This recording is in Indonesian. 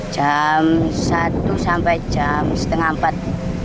jam satu sampai jam setengah empat